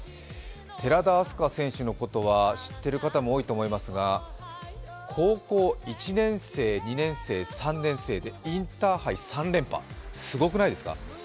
寺田明日香選手のことは知ってる方も多いと思いますが高校１年生、２年生、３年生でインターハイ３連覇、すごくないですか？